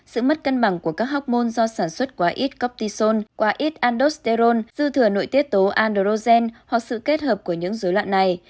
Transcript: sự mất cân bằng của các học môn do sản xuất quá ít coptison quá ít anduserol dư thừa nội tiết tố androgen hoặc sự kết hợp của những dối loạn này